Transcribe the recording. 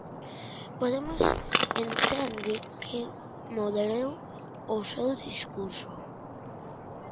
Podemos entende que moderou o seu discurso.